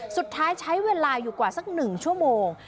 สุดท้ายใช้เวลาอยู่กว่าสัก๑ชั่วโมง